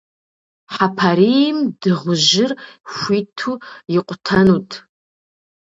Хьэпарийм дыгъужьыр хуиту икъутэнут.